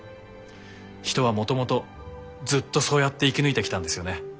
人はもともとずっとそうやって生き抜いてきたんですよね。